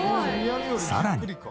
さらに。